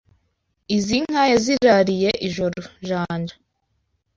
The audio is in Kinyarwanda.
Izi nka yazirariye ijoro Janja*